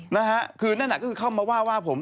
นะฮะคือนั่นน่ะก็คือเข้ามาว่าว่าผม